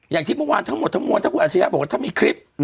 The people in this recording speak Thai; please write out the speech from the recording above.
อย่างที่เมื่อวานทั้งหมดทั้งมวลถ้าคุณอาชญาบอกว่าถ้ามีคลิป